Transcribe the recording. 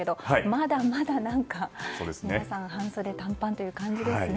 まだまだ皆さん半袖短パンという感じですね。